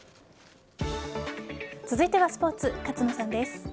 続いてはスポーツ勝野さんです。